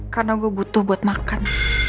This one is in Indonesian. karena gue butuh buat makan